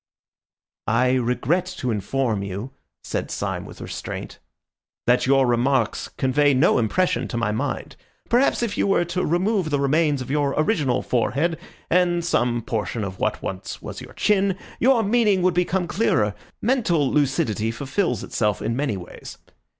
"I regret to inform you," said Syme with restraint, "that your remarks convey no impression to my mind. Perhaps if you were to remove the remains of your original forehead and some portion of what was once your chin, your meaning would become clearer. Mental lucidity fulfils itself in many ways.